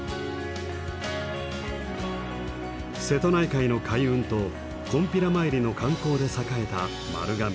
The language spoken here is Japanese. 瀬戸内海の海運とこんぴら参りの観光で栄えた丸亀。